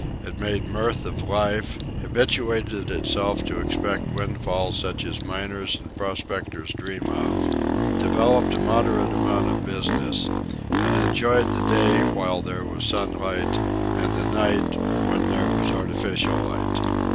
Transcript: It made mirth of life, habituated itself to expect windfalls such as miners and prospectors dream of, developed a moderate amount of business, and enjoyed the day while there was sunlight and the night when there was artificial light.